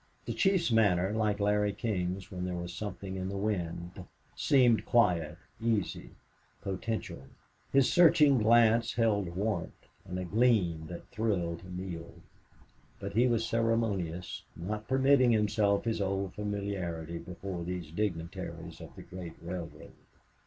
The chiefs manner, like Larry King's when there was something in the wind, seemed quiet, easy, potential. His searching glance held warmth and a gleam that thrilled Neale. But he was ceremonious, not permitting himself his old familiarity before these dignitaries of the great railroad.